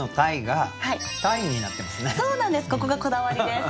ここがこだわりです。